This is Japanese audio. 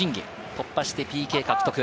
突破してＰＫ獲得。